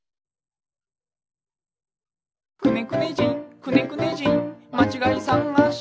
「くねくね人くねくね人まちがいさがし」